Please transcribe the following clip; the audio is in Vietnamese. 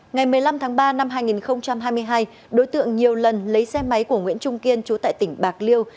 ngày một mươi năm tháng ba năm hai nghìn hai mươi hai đối tượng nhiều lần lấy xe máy của nguyễn trung kiên chú tại tỉnh bạc liêu